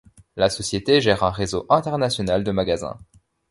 La société gère un réseau international de magasins.